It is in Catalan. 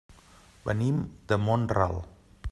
Venim de Mont-ral.